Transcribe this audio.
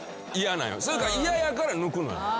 それか嫌やから抜くのよ。